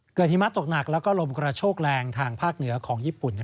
หิมะตกหนักแล้วก็ลมกระโชกแรงทางภาคเหนือของญี่ปุ่น